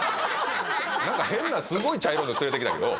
「何か変なすごい茶色いの連れてきたけど」